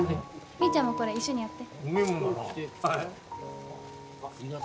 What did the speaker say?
みーちゃんもこれ一緒にやって。